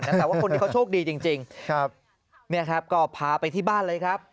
แต่ว่าคนนี้เขาโชคดีจริงเนี่ยครับก็พาไปที่บ้านเลยครับ